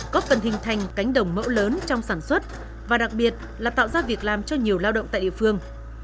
có phần hình thành cánh đồng mẫu lớn trong sản xuất và đặc biệt là tạo ra việc làm cho nhiều lao động tại địa phương